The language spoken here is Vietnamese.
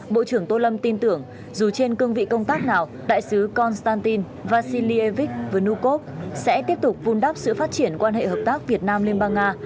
bộ trưởng tô lâm tin tưởng dù trên cương vị công tác nào đại sứ konstantin vasilie vic vunukov sẽ tiếp tục vun đắp sự phát triển quan hệ hợp tác việt nam liên bang nga